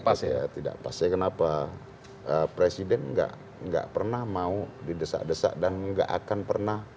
pas ya tidak pasti kenapa presiden enggak enggak pernah mau didesak desak dan enggak akan pernah